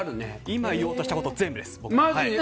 今言おうとしたこと全部です。